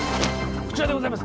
こちらでございます。